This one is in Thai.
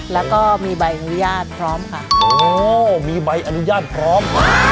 แล้วก็มีใบอนุญาตพร้อมค่ะโอ้มีใบอนุญาตพร้อม